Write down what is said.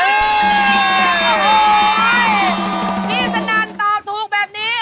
พี่สนานตอบถูกแบบนี้